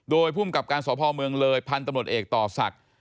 โดยภูมิกับการสพเมืองเลยพันธุ์ตำรวจเอกต่อศักดิ์